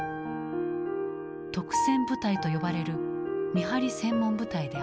「督戦部隊」と呼ばれる見張り専門部隊である。